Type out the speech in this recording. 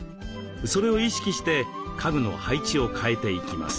それを意識して家具の配置を変えていきます。